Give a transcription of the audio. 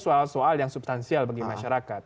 soal soal yang substansial bagi masyarakat